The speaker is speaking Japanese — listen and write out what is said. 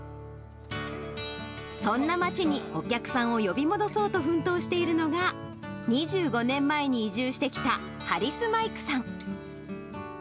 そんな町にお客さんを呼び戻そうと奮闘しているのが、２５年前に移住してきたハリス・マイクさん。